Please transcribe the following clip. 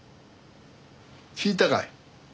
聞いたかい？